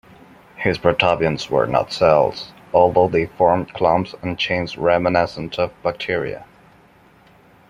His protobionts were not cells, although they formed clumps and chains reminiscent of bacteria.